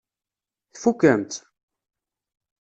Tfukkem-tt?